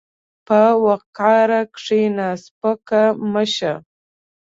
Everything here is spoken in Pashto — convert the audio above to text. په وقار کښېنه، سپک مه شه.